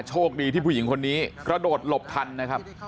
โชคดีที่ผู้หญิงคนนี้กระโดดหลบทันนะครับ